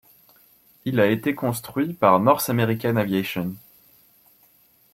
Il a été construit par North American Aviation.